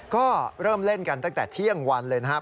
ก็เริ่มเล่นกันตั้งแต่เที่ยงวันเลยนะครับ